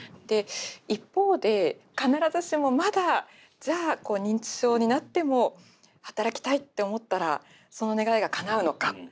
で一方で必ずしもまだじゃあ認知症になっても働きたいって思ったらその願いがかなうのか。